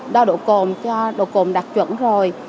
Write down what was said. đo độ cồn cho độ cồn đặc chuẩn rồi